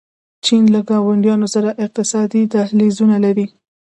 چین له ګاونډیانو سره اقتصادي دهلیزونه لري.